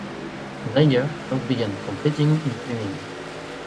Zeiger first began competing in swimming.